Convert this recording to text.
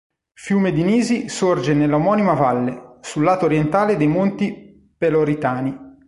Fiumedinisi sorge nella omonima valle, sul lato orientale dei monti Peloritani.